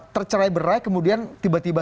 tercerai berai kemudian tiba tiba